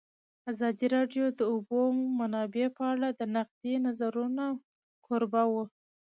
ازادي راډیو د د اوبو منابع په اړه د نقدي نظرونو کوربه وه.